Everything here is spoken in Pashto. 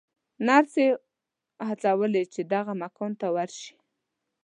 نرسې هڅولې چې دغه مکان ته ورشي.